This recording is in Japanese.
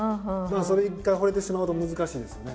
それに一回ほれてしまうと難しいんですよね。